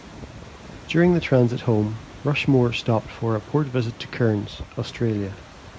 During the transit home, "Rushmore" stopped for a port visit to Cairns, Australia.